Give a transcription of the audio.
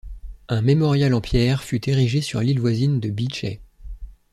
Un mémorial en pierre fut érigé sur l'île voisine de Beechey.